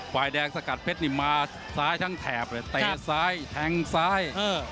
ฝ่ายแดงสกัดเพชรนี่มาซ้ายทั้งแถบเลยเตะซ้ายแทงซ้าย